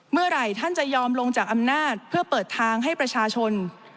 เมื่อไหร่ท่านจะยอมลงจากอำนาจเพื่อเปิดทางให้ประชาชน